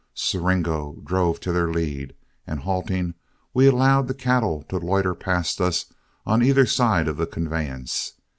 Siringo drove to their lead, and halting, we allowed the cattle to loiter past us on either side of the conveyance.